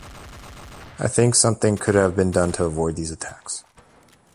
I think something could have been done to avoid these attacks.